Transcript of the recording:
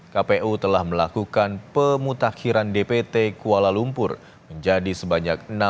kpu telah melakukan pemutakhiran dpd kuala lumpur menjadi sebanyak enam puluh dua dua ratus tujuh belas pemilih